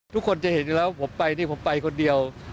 ทุกคนจะเห็นอยู่แล้วผมไปนี่ผมไปคนเดียว